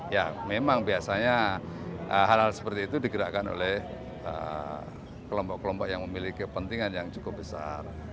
ya memang biasanya hal hal seperti itu digerakkan oleh kelompok kelompok yang memiliki kepentingan yang cukup besar